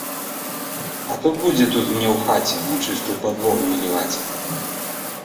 А то будзе тут мне ў хаце на чыстую падлогу наліваць.